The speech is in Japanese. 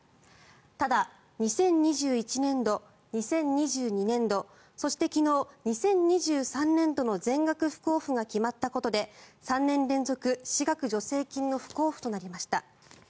ただ２０２１年度、２０２２年度そして昨日、２０２３年度の全額不交付が決まったことで３年連続、私学助成金の不交付となりました。